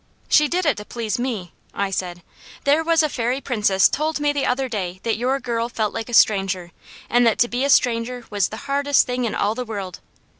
"She did it to please me," I said. "There was a Fairy Princess told me the other day that your girl felt like a stranger, and that to be a stranger was the hardest thing in all the world.